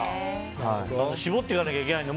絞っていかなきゃいけないね。